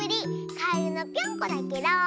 カエルのぴょんこだケロー。